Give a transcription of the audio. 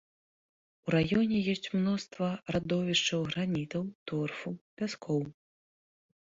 У раёне ёсць мноства радовішчаў гранітаў, торфу, пяскоў.